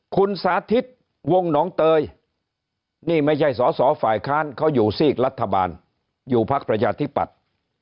คุณสาธิตวงหนองเตยนี่ไม่ใช่สอสอฝ่ายค้านเขาอยู่ซีกรัฐบาลอยู่พักประชาธิปัตย์